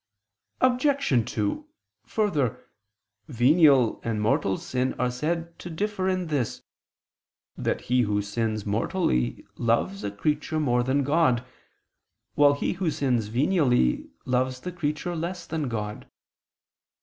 Obj. 2: Further, venial and mortal sin are said to differ in this, that he who sins mortally loves a creature more than God, while he who sins venially loves the creature less than God.